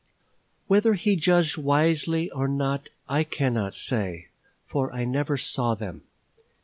Whether he judged wisely or not I cannot say, for I never saw them.